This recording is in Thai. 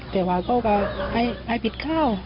แต่ว่าเขาก็ให้ผิดข้าว